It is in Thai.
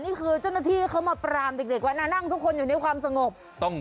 นี่คือเจ้าหน้าที่เขามาปรามเด็กว่านั่งทุกคนอยู่ในความสงบ